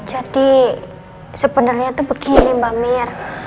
jadi sebenernya tuh begini mbak mir